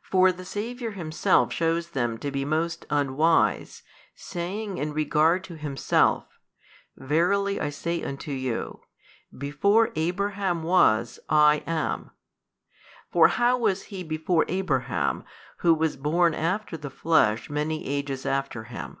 For the Saviour Himself shews them to be most unwise, saying in regard to Himself, Verily I say unto you, Before Abraham was I am: for how was He before Abraham Who was born after the flesh many ages after him?